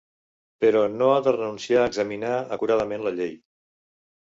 Però no ha de renunciar a examinar acuradament la llei.